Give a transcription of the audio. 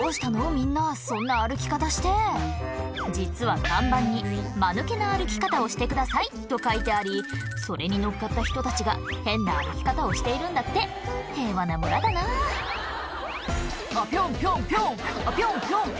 みんなそんな歩き方して実は看板にと書いてありそれに乗っかった人たちが変な歩き方をしているんだって平和な村だなぁ「あピョンピョンピョンあピョンピョンピョン」